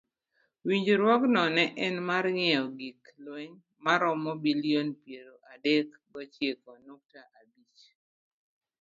Winjruogno ne en mar ngiewo gik lweny maromo bilion piero adek gochiko nukta abich.